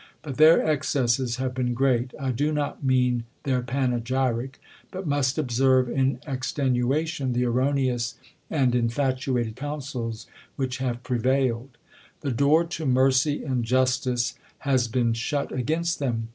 But their excesses have been great ! I do not mean their panegyric ; but must observe, in extenuation, the erroneous and infatuated counsels, which have pre yailed. The door to mercy and justice has been shut against them.